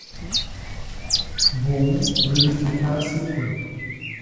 Bom verificar seu corpo